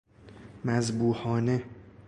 مذبوحانه